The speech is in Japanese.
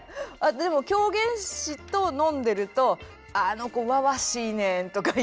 でも狂言師と飲んでると「あの子わわしいねん」とか言いますよ。